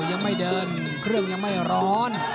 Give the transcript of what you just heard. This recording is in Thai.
ยังไม่เดินเครื่องยังไม่ร้อน